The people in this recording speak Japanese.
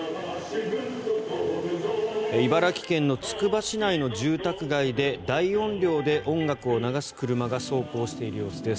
茨城県のつくば市内の住宅街で大音量で音楽を流す車が走行している様子です。